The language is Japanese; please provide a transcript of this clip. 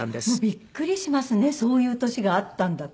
びっくりしますねそういう年があったんだって。